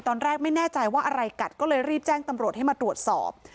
ตอนแรกไม่แน่ใจว่าอะไรกัดก็เลยรีบแจ้งตำรวจให้มาตรวจสอบ